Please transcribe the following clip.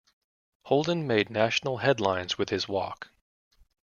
Holden made national headlines with his walk.